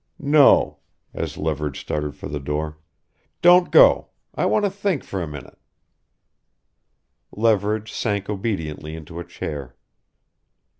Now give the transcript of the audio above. "No " as Leverage started for the door; "Don't go! I want to think for a minute " Leverage sank obediently into a chair.